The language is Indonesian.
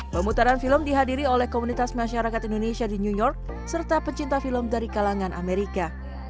pemutaran film dihadiri oleh komunitas masyarakat indonesia di new york serta pecinta film dari kalangan amerika